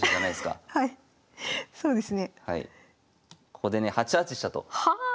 ここでね８八飛車と。